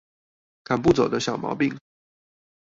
趕不走的小毛病